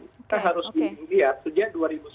kita harus lihat sejak dua ribu sembilan belas